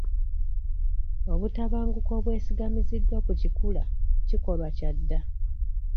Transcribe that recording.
Obutabanguko obwesigamiziddwa ku kikula kikolwa kya dda.